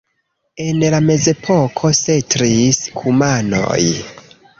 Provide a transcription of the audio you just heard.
En la mezepoko setlis kumanoj.